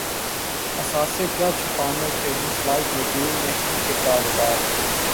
اثاثے کیا چھپانے تھے‘ جس لائق وکیل نے ان کے کاغذات